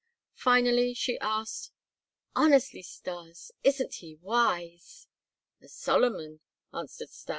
Finally she asked: "Honestly, Stas, isn't he wise?" "As Solomon," answered Stas.